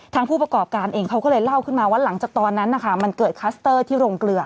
ผู้ประกอบการเองเขาก็เลยเล่าขึ้นมาว่าหลังจากตอนนั้นนะคะมันเกิดคลัสเตอร์ที่โรงเกลือ